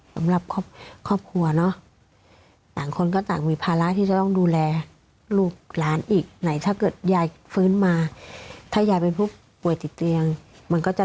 สำหรับครอบครัวเนอะต่างคนก็ต่างมีภาระที่จะต้องดูแลลูกหลานอีกไหนถ้าเกิดยายฟื้นมาถ้ายายเป็นผู้ป่วยติดเตียงมันก็จะ